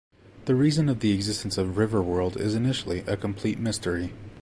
The reason of the existence of Riverworld is initially a complete mystery.